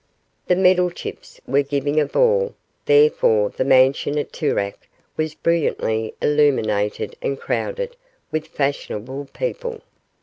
The Meddlechips were giving a ball, therefore the mansion at Toorak was brilliantly illuminated and crowded with fashionable people.